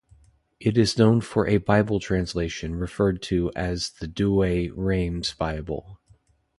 It is known for a Bible translation referred to as the Douay-Rheims Bible.